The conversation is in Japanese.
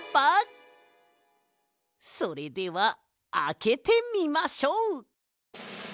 それではあけてみましょう！